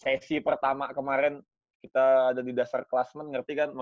seksi pertama kemarin kita ada di dasar kelasmen ngerti kan